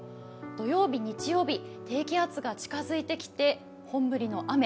土曜日、日曜日、低気圧が近づいてきて本降りの雨。